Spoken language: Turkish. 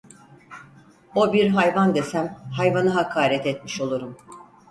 O bir hayvan desem, hayvana hakaret etmiş olurum.